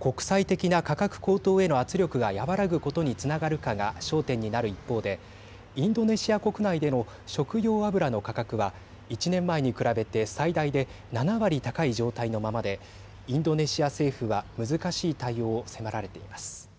国際的な価格高騰への圧力が和らぐことにつながるかが焦点になる一方でインドネシア国内での食用油の価格は１年前に比べて最大で７割高い状態のままでインドネシア政府は難しい対応を迫られています。